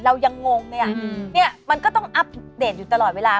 เรายังงงเนี่ยมันก็ต้องอัปเดตอยู่ตลอดเวลา